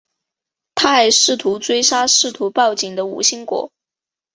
他还试图追杀试图报警的吴新国。